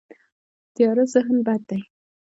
تیاره ذهن بد دی.